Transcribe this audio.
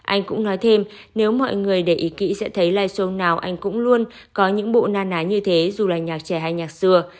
anh cũng nói thêm nếu mọi người để ý kỹ sẽ thấy live show nào anh cũng luôn có những bộ na ná như thế dù là nhạc trẻ hay nhạc xưa